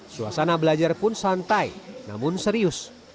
suasana belajar pun santai namun serius